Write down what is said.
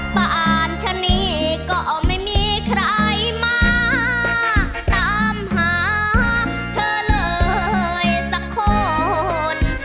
ทานทะนี้ก็ไม่มีใครมาตามหาเธอเลยสักคน